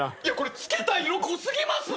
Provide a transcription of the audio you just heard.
つけた色濃すぎますって。